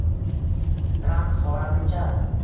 Raqs xorazmcha